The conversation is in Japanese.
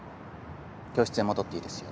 教室へ戻っていいですよ。